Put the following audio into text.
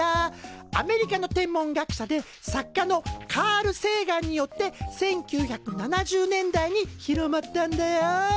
アメリカの天文学者で作家のカール・セーガンによって１９７０年代に広まったんだよ。